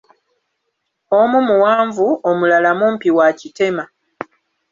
Omu muwanvu, omulala mumpi oba waakitema.